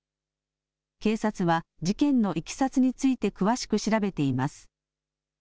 警察は事件のいきさつについて詳しく調べています。